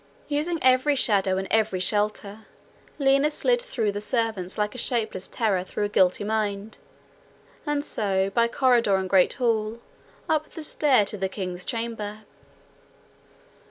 Using every shadow and every shelter, Lina slid through the servants like a shapeless terror through a guilty mind, and so, by corridor and great hall, up the stair to the king's chamber.